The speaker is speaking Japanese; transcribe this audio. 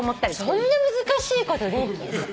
そんな難しいこと。